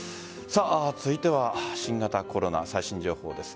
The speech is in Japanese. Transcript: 続いては新型コロナ最新情報です。